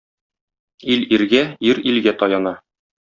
Ил иргә, ир илгә таяна.